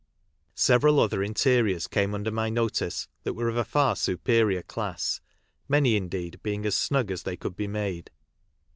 Several other interiors came under my notice that were of a far superior class, in. ny indeed being as enug as they could be made.